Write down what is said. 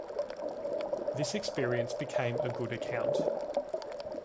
This experience became a good account.